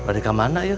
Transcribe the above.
eh pada kemana ya